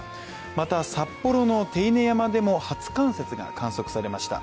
また、札幌の手稲山でも初冠雪が観測されました。